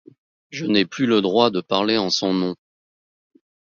Je n'ai plus le droit de parler en son nom